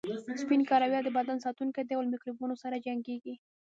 سپین کرویات د بدن ساتونکي دي او له میکروبونو سره جنګیږي